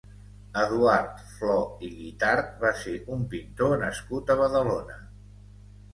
Eduard Flò i Guitart va ser un pintor nascut a Badalona.